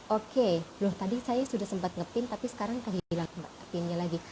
oke loh tadi saya sudah sempat nge pin tapi sekarang kehilang nge pinnya lagi